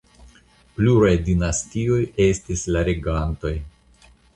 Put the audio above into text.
Pluraj dinastioj estis la regantoj.